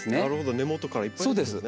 根元からいっぱい出るんですね。